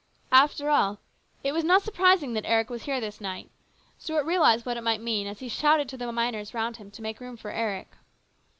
After all, it was not surprising that Eric was here this night. Stuart realised what it might mean as he shouted to the miners round him to make room for Eric.